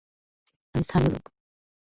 আমি স্থানীয় লোক!